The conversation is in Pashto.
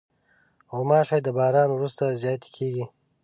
غوماشې د باران وروسته زیاتې کېږي.